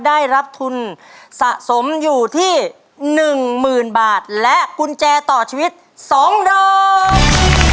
ได้รับทุนสะสมอยู่ที่หนึ่งหมื่นบาทและกุญแจต่อชีวิตสองดอก